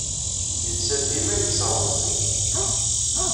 Netta dima yettaweḍ zik.